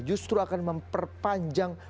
justru akan memperpanjang